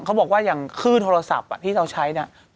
เขาบอกว่าอย่างขึ้นโทรศัพท์ที่เราใช้เนี่ย